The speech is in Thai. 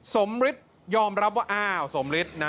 ฤทธิ์ยอมรับว่าอ้าวสมฤทธิ์นะ